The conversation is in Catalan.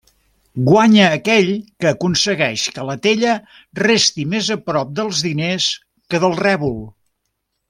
Guanya aquell que aconsegueix que la tella resti més prop dels diners que del rèbol.